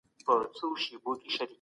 عملي ګام پورته کړئ.